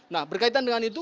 nah berkaitan dengan itu